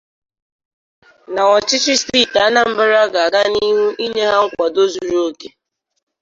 na ọchịchị steeti Anambra ga-aga n'ihu inye ha nkwàdo zuru òkè